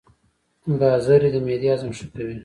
ګازرې د معدې هضم ښه کوي.